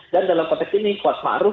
dan dalam konteks ini kuat maruf